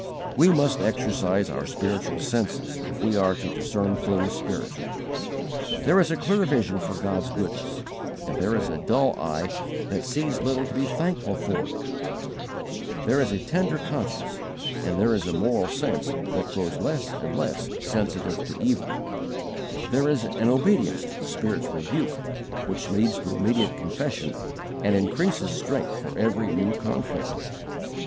We must exercise our spiritual senses if we are to discern things spiritual. There is a clear vision for God's goodness, and there is a dull eye that sees little to be thankful for; there is a tender conscience, and there is a moral sense that grows less and less sensitive to evil; there is an obedience to the Spirit's rebuke which leads to immediate confession and increases strength for every new conflict.